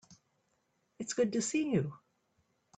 It's good to see you.